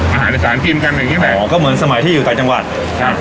อาหารอีสานกินกันอย่างเงี้แหละอ๋อก็เหมือนสมัยที่อยู่ต่างจังหวัดครับ